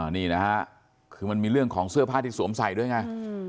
นี่นะฮะคือมันมีเรื่องของเสื้อผ้าที่สวมใส่ด้วยไง